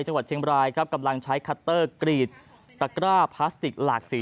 จังหวัดเชียงบรายครับกำลังใช้คัตเตอร์กรีดตะกร้าพลาสติกหลากสี